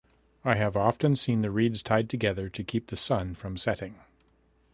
I have often seen the reeds tied together to keep the sun from setting.